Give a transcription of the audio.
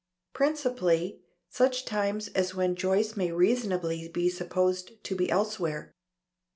Principally such times as when Joyce may reasonably be supposed to be elsewhere.